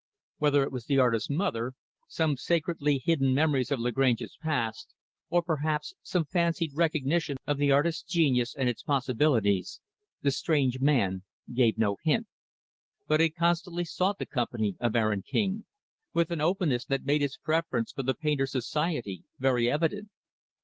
Whether it was the artist's mother; some sacredly hidden memories of Lagrange's past; or, perhaps, some fancied recognition of the artist's genius and its possibilities; the strange man gave no hint; but he constantly sought the company of Aaron King, with an openness that made his preference for the painter's society very evident.